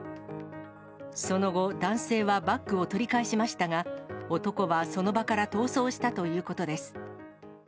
その後、男性はバッグを取り返しましたが、男はその場から逃走したということです。